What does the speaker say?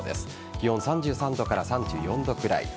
気温、３３度から３４度くらい。